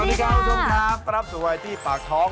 สวัสดีค่ะสำคับสวัสดีครับคุณชมครับปรับสวัสดีสวัสดีคุณหายที่ปากท้อง